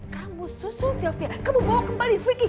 kamu susul sylvia kamu bawa kembali vicky cepet